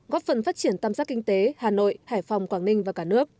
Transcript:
góp phần phát triển tam sát kinh tế hà nội hải phòng quảng ninh và cả nước